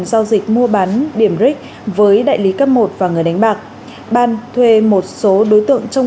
giao dịch mua bán điểm rick với đại lý cấp một và người đánh bạc ban thuê một số đối tượng trong